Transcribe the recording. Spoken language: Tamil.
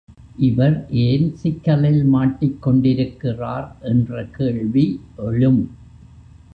இவர் ஏன் சிக்கலில் மாட்டிக் கொண்டிருக்கிறார் என்ற கேள்வி எழும்.